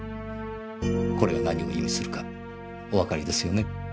これが何を意味するかおわかりですよね？